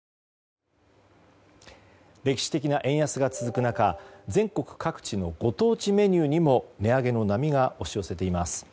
歴史的な円安が続く中全国各地のご当地メニューにも値上げの波が押し寄せています。